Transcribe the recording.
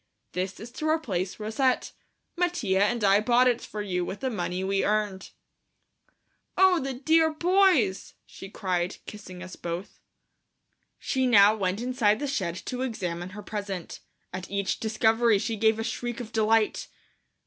This is to replace Rousette. Mattia and I bought it for you with the money we earned." "Oh, the dear boys!" she cried, kissing us both. She now went inside the shed to examine her present. At each discovery she gave a shriek of delight.